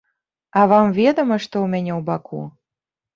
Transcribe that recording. А вам ведама, што ў мяне ў баку?